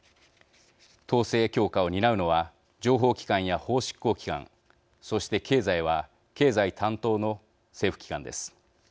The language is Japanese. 統制強化を担うのは情報機関や法執行機関そして経済は経済担当の政府機関です。